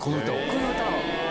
この歌を。